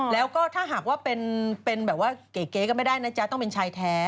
แล้วก็ถ้าหากว่าเป็นแบบว่าเก๋ก็ไม่ได้นะจ๊ะต้องเป็นชายแท้